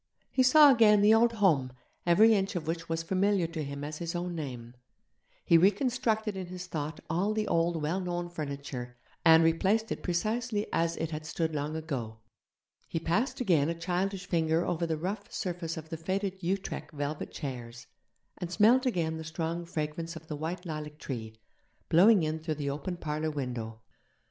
He saw again the old home, every inch of which was familiar to him as his own name; he reconstructed in his thought all the old well known furniture, and replaced it precisely as it had stood long ago. He passed again a childish finger over the rough surface of the faded Utrecht velvet chairs, and smelled again the strong fragrance of the white lilac tree, blowing in through the open parlour window.